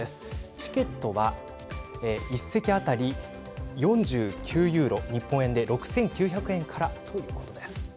チケットは１席当たり４９ユーロ日本円で６９００円からということです。